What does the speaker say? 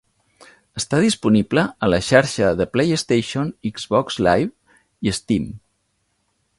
Està disponible a la xarxa de PlayStation, Xbox Live i Steam.